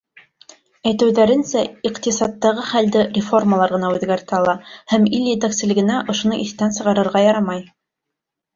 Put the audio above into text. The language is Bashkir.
Әйтеүҙәренсә, иҡтисадтағы хәлде реформалар ғына үҙгәртә ала һәм ил етәкселегенә ошоно иҫтән сығарырға ярамай.